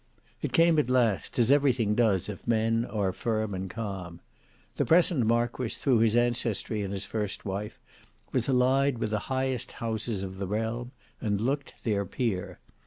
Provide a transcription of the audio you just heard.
It came at last, as everything does if men are firm and calm. The present marquis, through his ancestry and his first wife, was allied with the highest houses of the realm and looked their peer.